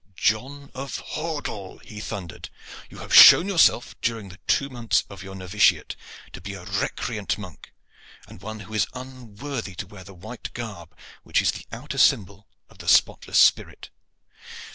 "John of Hordle," he thundered, "you have shown yourself during the two months of your novitiate to be a recreant monk, and one who is unworthy to wear the white garb which is the outer symbol of the spotless spirit.